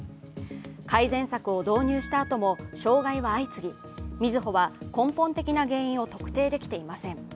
改善策を導入したあとも障害が相次ぎみずほは根本的な原因を特定できていません。